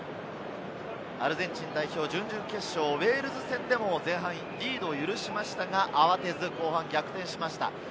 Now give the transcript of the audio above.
アルゼンチン代表、準々決勝・ウェールズ戦でも前半リードを許しましたが、慌てず後半に逆転しました。